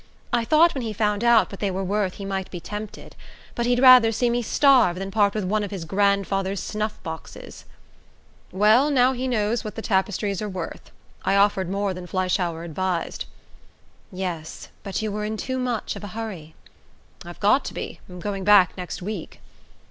I thought when he found out what they were worth he might be tempted; but he'd rather see me starve than part with one of his grand father's snuff boxes." "Well, he knows now what the tapestries are worth. I offered more than Fleischhauer advised." "Yes; but you were in too much of a hurry." "I've got to be; I'm going back next week."